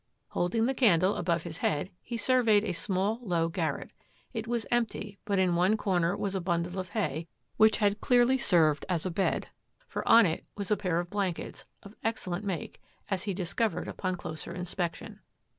Holding the candle above his head, he surveyed a small, low garret. It was empty, but in one comer was a bundle of hay which had clearly served as a bed, for on it was a pair of blankets, of excellent make, as he discovered upon closer inspection.